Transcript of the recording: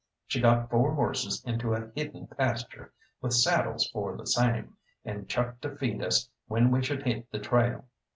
She got four horses into a hidden pasture, with saddles for the same, and chuck to feed us when we should hit the trail.